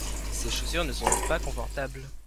ces chaussures ne sont pas confortables.